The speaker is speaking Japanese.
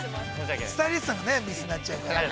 スタイリストさんのミスになっちゃうから。